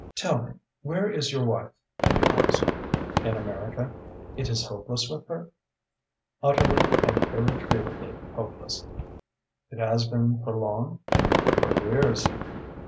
"Tell me, where is your wife?" she asked. "In America." "It is hopeless with her?" "Utterly and irretrievably hopeless." "It has been for long?" "For years."